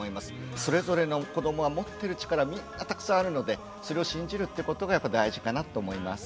それぞれの子どもが持ってる力みんなたくさんあるのでそれを信じるってことがやっぱ大事かなと思います。